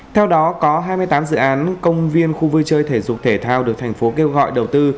theo đó có hai mươi tám dự án công viên khu vui chơi thể dục thể thao được thành phố kêu gọi đầu tư